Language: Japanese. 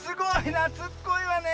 なつっこいわね